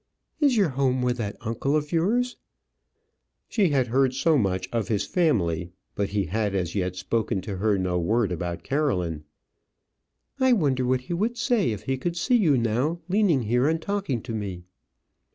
"Is your home with that uncle of yours?" She had heard so much of his family; but he had as yet spoken to her no word about Caroline. "I wonder what he would say if he could see you now leaning here and talking to me."